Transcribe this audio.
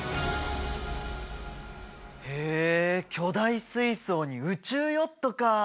へえ巨大水槽に宇宙ヨットか。